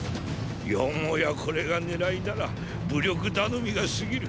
よもやこれが狙いなら武力頼みが過ぎる！